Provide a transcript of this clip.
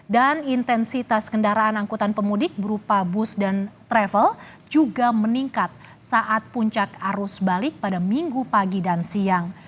dan intensitas kendaraan angkutan pemudik berupa bus dan travel juga meningkat saat puncak arus balik pada minggu pagi dan siang